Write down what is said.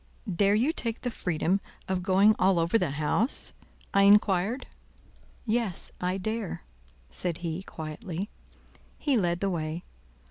"Dare you take the freedom of going all over the house?" I inquired. "Yes, I dare," said he, quietly. He led the way.